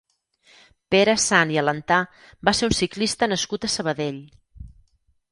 Pere Sant i Alentà va ser un ciclista nascut a Sabadell.